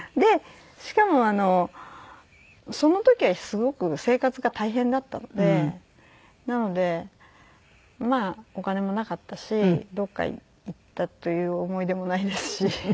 しかもその時はすごく生活が大変だったのでなのでまあお金もなかったしどこか行ったという思い出もないですし。